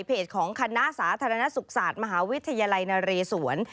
ของคณะสาธารณสุขศาสตร์มหาวิทยาลัยนเรศวร